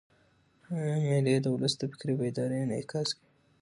مېلې د اولس د فکري بیدارۍ انعکاس کوي.